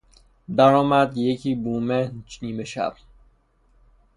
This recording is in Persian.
برآمد یکی بومهن نیمه شب